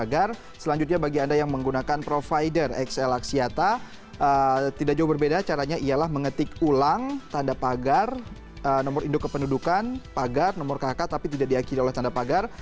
dan selain bagi anda yang menggunakan provider xl aksiata tidak jauh berbeda caranya ialah mengetik ulang tanda pagar nomor induk kependudukan pagar nomor kk tapi tidak diikuti oleh tanda pagar